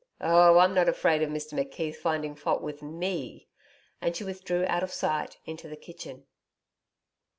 'Oh, I'm not afraid of Mr McKeith finding fault with ME,' and she withdrew out of sight into the kitchen.